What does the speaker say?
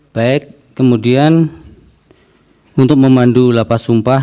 baik kemudian untuk memandu lapas sumpah